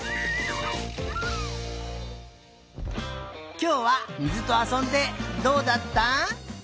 きょうはみずとあそんでどうだった？